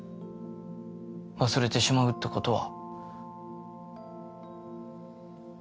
忘れてしまうってことは。